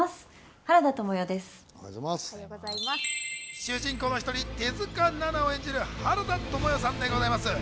主人公の１人、手塚菜奈を演じる原田知世さんでございます。